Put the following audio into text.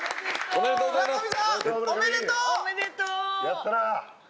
おめでとうございます！